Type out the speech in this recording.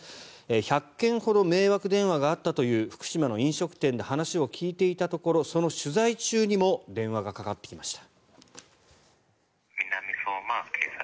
１００件ほど迷惑電話があったという福島の飲食店で話を聞いていたところその取材中にも電話がかかってきました。